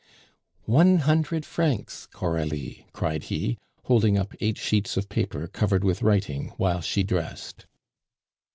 "One hundred francs, Coralie!" cried he, holding up eight sheets of paper covered with writing while she dressed.